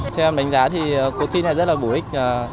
theo em đánh giá thì cuộc thi này rất là bổ ích